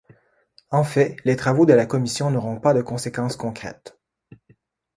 En fait, les travaux de la Commission n'auront pas de conséquences concrètes.